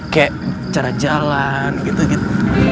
kayak cara jalan gitu gitu